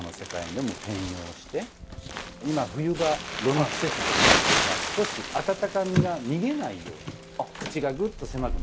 今冬場炉の季節ですので少し温かみが逃げないように口がぐっと狭くなって。